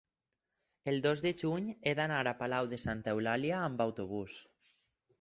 el dos de juny he d'anar a Palau de Santa Eulàlia amb autobús.